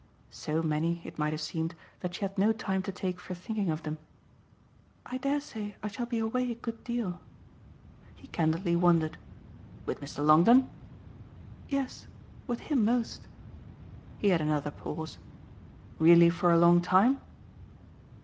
So many, it might have seemed, that she had no time to take for thinking of them. "I dare say I shall be away a good deal." He candidly wondered. "With Mr. Longdon?" "Yes with him most." He had another pause. "Really for a long time?"